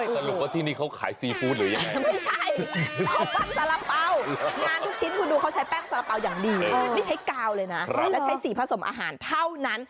กระทงสาระเป๋าอย่างดีนี่ใช้กาวเลยนะแล้วใช้สีผสมอาหารเท่านั้น